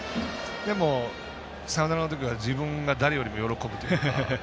でも、サヨナラの時は自分が誰よりも喜ぶというか。